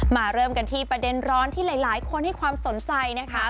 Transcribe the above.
เริ่มกันที่ประเด็นร้อนที่หลายคนให้ความสนใจนะคะ